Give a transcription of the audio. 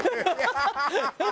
ハハハハ！